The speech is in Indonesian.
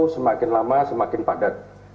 semakin lama semakin padat